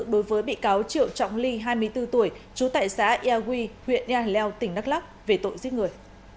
đối với bị cáo triệu trọng ly hai mươi bốn tuổi chú tại xã yà huy huyện yà hà leo tỉnh đắk lắk về tội giết người